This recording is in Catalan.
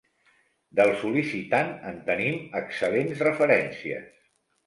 Del sol·licitant, en tenim excel·lents referències.